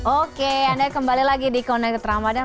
oke anda kembali lagi di connected ramadan